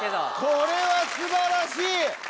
これは素晴らしい。